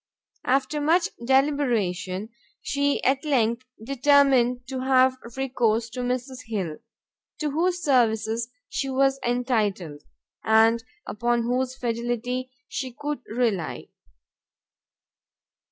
After much deliberation, she at length determined to have recourse to Mrs Hill, to whose services she was entitled, and upon whose fidelity she could rely.